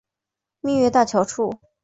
蜜月大桥处。